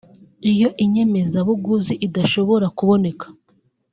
Iyo inyemezabuguzi idashobora kuboneka